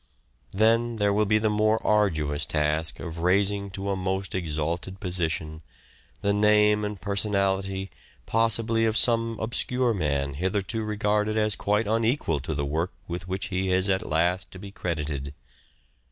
Then there will be the more arduous task of raising to a most exalted position the name and personality possibly of some obscure man hitherto regarded as quite unequal to the work with which he is at last to be credited.